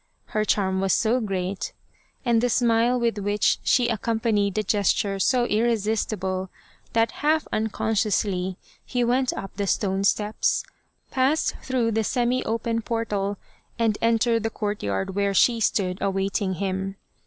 Her charm was so great and the smile with which she accompanied the gesture so irresistible, that half unconsciously, he went up the stone steps, passed through the semi open portal, and entered the courtyard where she stood awaiting him.